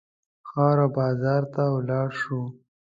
ښار او بازار ته ولاړ شو.